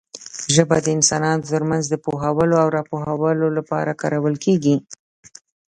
ژبه د انسانانو ترمنځ د پوهولو او راپوهولو لپاره کارول کېږي.